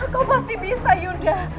kau pasti bisa yuda